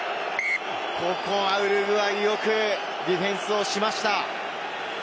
ここはウルグアイ、よくディフェンスしました。